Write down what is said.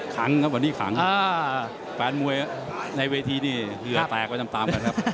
ขังครับวันนี้ขังแฟนมวยในเวทีนี่เหลือแตกไปตาม